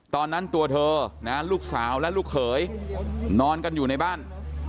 ตอนนั้นตัวเธอลูกสาวและลูกเขยนอนกันอยู่ในบ้าน